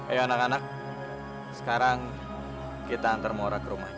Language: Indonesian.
ayo anak anak sekarang kita antar maura ke rumahnya